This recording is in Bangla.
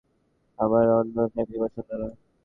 আমার অন্য চাকরি পছন্দ না।